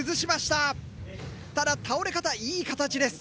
ただ倒れ方いい形です。